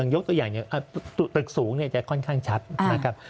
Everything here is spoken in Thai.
ยกตัวอย่างอย่างตึกสูงจะค่อนข้างชัดนะครับ